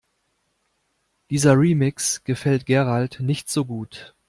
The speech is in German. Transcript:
Dieser Remix gefällt Gerald nicht so gut.